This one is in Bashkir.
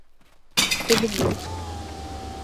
Өҙөлдө.